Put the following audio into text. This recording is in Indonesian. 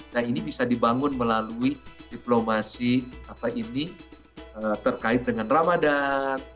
nah ini bisa dibangun melalui diplomasi terkait dengan ramadan